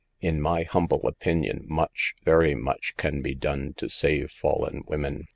" In my humble opinion much, very much can be done to save fallen women.